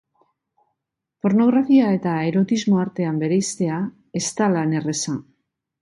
Pornografia eta erotismo artean bereiztea ez da lan erraza.